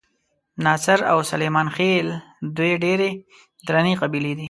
ناصر او سلیمان خېل دوې ډېرې درنې قبیلې دي.